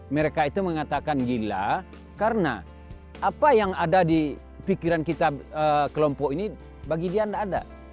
mereka itu mengatakan gila karena apa yang ada di pikiran kita kelompok ini bagi dia tidak ada